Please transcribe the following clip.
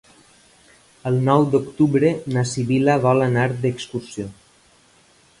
El nou d'octubre na Sibil·la vol anar d'excursió.